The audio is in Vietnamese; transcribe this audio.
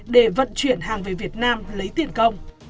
để vận chuyển hàng về việt nam lấy tiền công